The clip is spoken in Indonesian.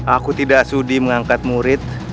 aku tidak sudi mengangkat murid